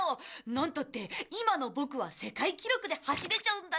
なんたって今のボクは世界記録で走れちゃうんだからね！